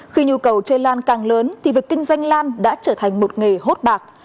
khi nhu cầu chơi lan càng lớn thì việc kinh doanh lan đã trở thành một nghề hốt bạc